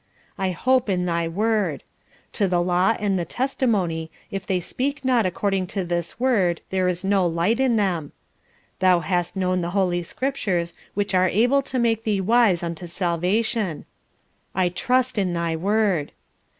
"I hope in thy Word." "To the law and to the testimony; if they speak not according to this Word there is no light in them." "Thou hast known the Holy Scriptures, which are able to make thee wise unto salvation." "I trust in thy Word."